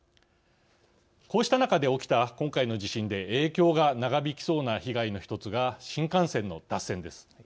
こうした中で起きた今回の地震で影響が長引きそうな被害の１つが新幹線の脱線です。